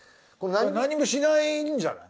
何もしないんじゃない？